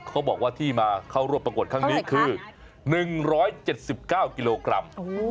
เขาบอกว่าที่มาเข้าร่วมประกวดครั้งนี้คือ๑๗๙กิโลกรัม